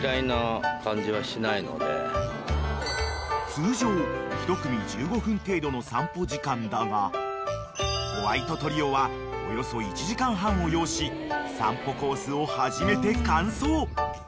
［通常１組１５分程度の散歩時間だがホワイトトリオはおよそ１時間半を要し散歩コースを初めて完走］